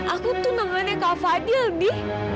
aku tuh namanya kak fadil di